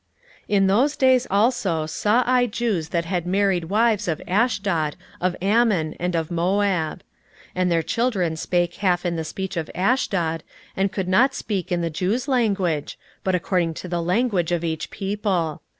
16:013:023 In those days also saw I Jews that had married wives of Ashdod, of Ammon, and of Moab: 16:013:024 And their children spake half in the speech of Ashdod, and could not speak in the Jews' language, but according to the language of each people.